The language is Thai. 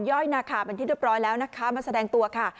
ย่อยนาคาเป็นที่เรียบร้อยแล้วนะคะมาแสดงตัวค่ะ